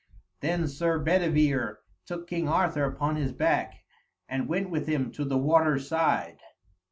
Then Sir Bedivere took King Arthur upon his back, and went with him to the water's side.